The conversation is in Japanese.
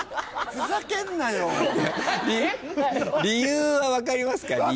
理由は分かりますか？